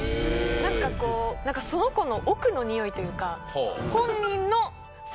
なんかこうその子の奥の匂いというか。